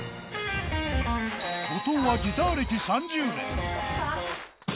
後藤はギター歴３０年。